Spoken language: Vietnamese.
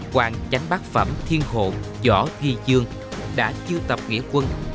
quảng chánh bác phẩm thiên hồ võ thi dương đã chiêu tập nghĩa quân